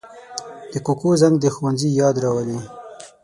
د کوکو زنګ د ښوونځي یاد راولي